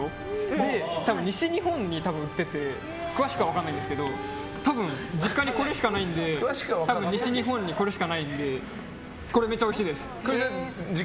で西日本に多分売ってて詳しくは分からないんですけど多分、実家にこれしかないので多分、西日本にこれしかないんでこれ、めっちゃおいしいです。